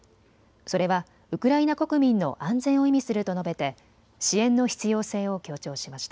それはウクライナ国民の安全を意味すると述べて支援の必要性を強調しました。